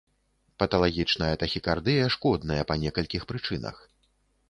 Паталагічная тахікардыя шкодная па некалькіх прычынах.